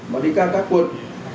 mà đi cao các quận